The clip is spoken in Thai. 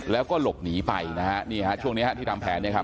แล้วก็หลบหนีไปนะฮะนี่ฮะช่วงนี้ฮะที่ทำแผนเนี่ยครับ